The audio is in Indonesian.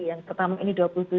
yang pertama ini dua puluh tujuh